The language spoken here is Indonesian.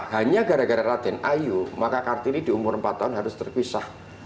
hanya gara gara raden ayu maka kartini di umur empat tahun harus terpisah